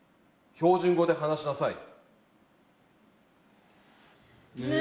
標準語で話しなさい。